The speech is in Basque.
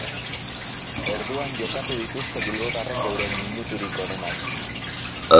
Orduan jokatu dituzte bilbotarrek euren minuturik onenak.